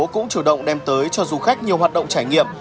cũng chủ động đem tới cho du khách nhiều hoạt động trải nghiệm